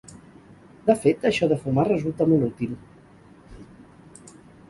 De fet, això de fumar resulta molt útil.